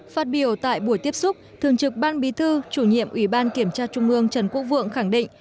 phát biểu tại buổi tiếp xúc thường trực ban bí thư chủ nhiệm ủy ban kiểm tra trung ương trần quốc vượng khẳng định